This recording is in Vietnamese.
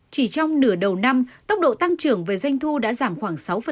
chỉ trong nửa đầu năm tốc độ tăng trưởng về doanh thu đã giảm khoảng sáu